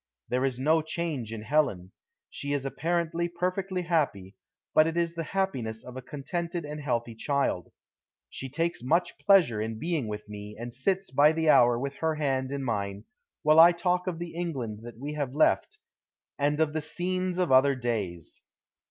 There is no change in Helen. She is apparently perfectly happy, but it is the happiness of a contented and healthy child. She takes much pleasure in being with me, and sits by the hour with her hand in mine, while I talk of the England that we have left and of the scenes of other days.